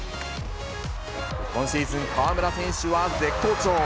今シーズン、河村選手は絶好調。